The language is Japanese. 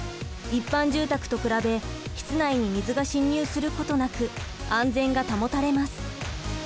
一般住宅と比べ室内に水が浸入することなく安全が保たれます。